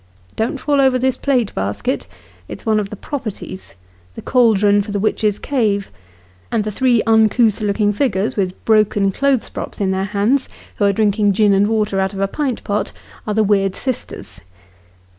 Don't fall over this plate basket it's one of the " properties " the cauldron for the witches' cave ; and the three uncouth looking figures, with broken clothes props in their hands, who are drinking gin and water out of a pint pot, are the weird sisters.